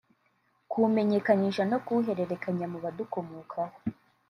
kuwumenyekanisha no kuwuhererekanya mu badukomokaho